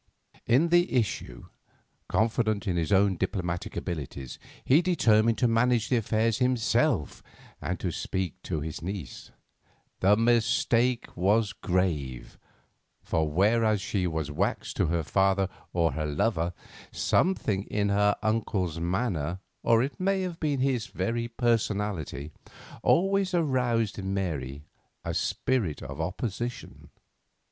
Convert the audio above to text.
In the issue, confident in his own diplomatic abilities, he determined to manage the affair himself and to speak to his niece. The mistake was grave, for whereas she was as wax to her father or her lover, something in her uncle's manner, or it may have been his very personality, always aroused in Mary a spirit of opposition.